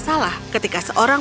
saya akan ber scotch